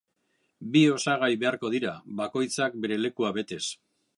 Bi osagai beharko dira, bakoitzak bere lekua betez.